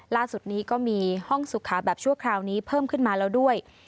ล่าสุดนี้ก็มีห้องสุขาแบบชั่วคราวนี้เพิ่มขึ้นมาแล้วด้วย